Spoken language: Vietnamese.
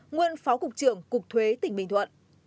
nguyên phó cục trưởng cục thuế tỉnh bình thuận